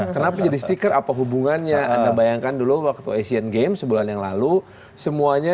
kenapa jadi stiker apa hubungannya anda bayangkan dulu waktu asian games sebulan yang lalu semuanya